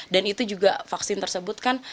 dan itu juga vaksin tersebut kan